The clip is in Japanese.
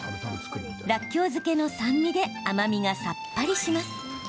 らっきょう漬けの酸味で甘みがさっぱりします。